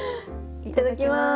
いただきます！